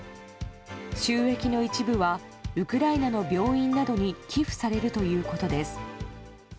収益の一部はウクライナの病院などに寄付されるということです。